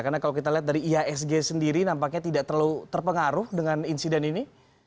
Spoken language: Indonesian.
karena kalau kita lihat dari iasg sendiri nampaknya tidak terlalu terpengaruh dengan insiden ini